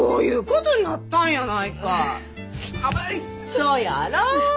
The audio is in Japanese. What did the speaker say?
そうやろ！